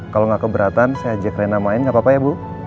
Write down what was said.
kalau nggak keberatan saya ajak rena main nggak apa apa ya bu